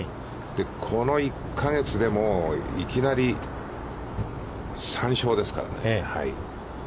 この１か月でいきなり３勝ですからね。